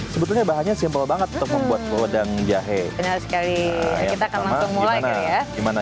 sebetulnya bahannya simpel banget untuk membuat wedang jahe sekali kita akan langsung gimana